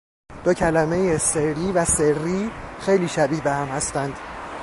دو کلمه سری و سرّی خیلی شبیه به هم هستند